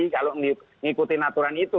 kalau mengikuti aturan itu